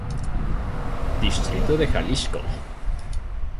Distrito de Jalisco.